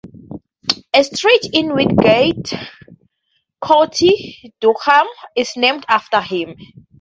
A street in Wingate, County Durham is named after him.